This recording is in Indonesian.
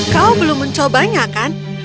kau belum mencobanya kan